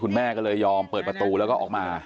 แม่ก็เลยยอมเปิดประตูแล้วก็ออกมา